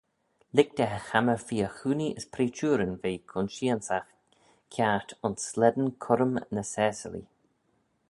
Lhig da chammah fir-choonee as preaçhooryn ve dy consheansagh kiart ayns slane currym ny Saasilee.